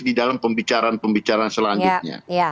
di dalam pembicaraan pembicaraan selanjutnya